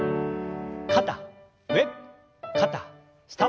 肩上肩下。